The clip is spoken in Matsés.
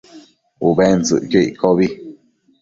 Ubentsëcquio iccobi